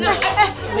mau gue diinikin